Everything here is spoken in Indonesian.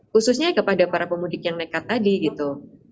khususnya kepada para pemudik yang nekat tadi gitu